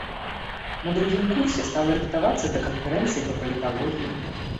На другім курсе стала рыхтавацца да канферэнцыі па паліталогіі.